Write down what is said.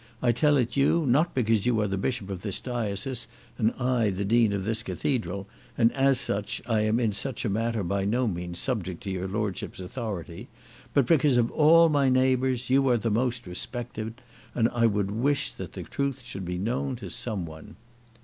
I tell it you, not because you are the bishop of this diocese, and I, the Dean of this Cathedral, and as such I am in such a matter by no means subject to your lordship's authority; but, because of all my neighbours you are the most respected, and I would wish that the truth should be known to some one."